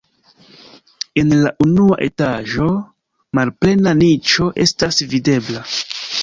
En la unua etaĝo malplena niĉo estas videbla.